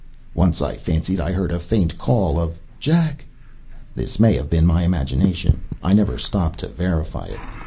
Once I fancied I heard a faint call of "Jack!" This may have been imagination. I never stopped to verify it.